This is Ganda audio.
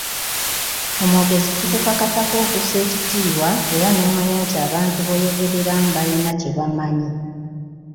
Omwogezi kikukakatako okussa ekitiibwa era n’omanya nti abantu b’oyogereramu balina kye bamanyi.